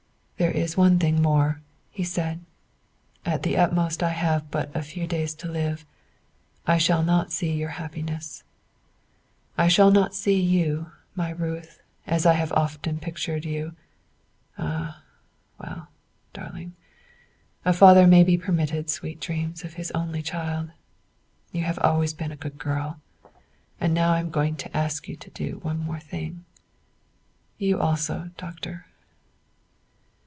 "There is one thing more," he said. "At the utmost I have but a few days to live. I shall not see your happiness: I shall not see you, my Ruth, as I have often pictured you. Ah, well, darling, a father may be permitted sweet dreams of his only child. You have always been a good girl, and now I am going to ask you to do one thing more you also, Doctor.